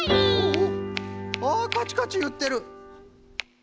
ああカチカチいってる！